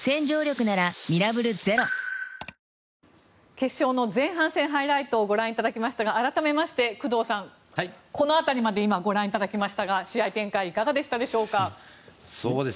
決勝の前半戦ハイライトをご覧いただきましたが改めまして工藤さん、この辺りまで今、ご覧いただきましたが試合展開いかがでしたでしょうか。